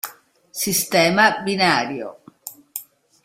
Sistema binario